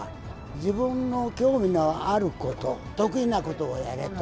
自分の興味のあること、得意なことをやれと。